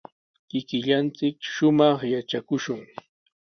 Kikillanchik shumaq yatrakushun.